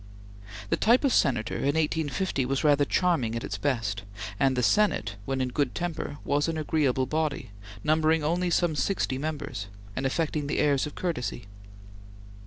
The type of Senator in 1850 was rather charming at its best, and the Senate, when in good temper, was an agreeable body, numbering only some sixty members, and affecting the airs of courtesy.